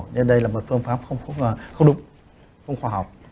nên đây là một phương pháp không đúng không khoa học